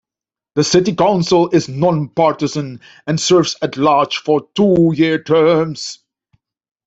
The city council is non-partisan, and serves at large for two-year terms.